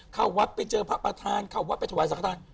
เข้าวัดไปเจอพระประธานเข้าวัดไปถวายสังฆฐาน